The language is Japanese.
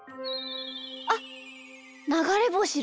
あっながれぼしだ。